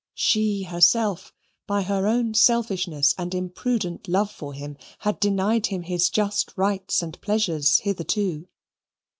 She herself, by her own selfishness and imprudent love for him had denied him his just rights and pleasures hitherto.